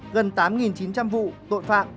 gần tám chín trăm linh vụ tội phạm